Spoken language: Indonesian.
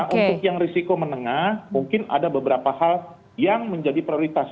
untuk yang risiko menengah mungkin ada beberapa hal yang menjadi prioritas